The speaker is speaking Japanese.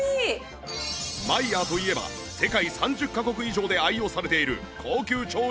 マイヤーといえば世界３０カ国以上で愛用されている高級調理器具メーカー